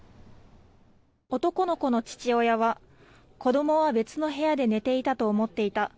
男の子の父親は子供は別の部屋で寝ていたと思っていた。